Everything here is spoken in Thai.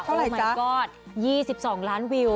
เท่าไหร่จ๊ะโอ้มายก็อด๒๒ล้านวิว